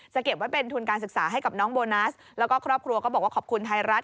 เก็บไว้เป็นทุนการศึกษาให้กับน้องโบนัสแล้วก็ครอบครัวก็บอกว่าขอบคุณไทยรัฐ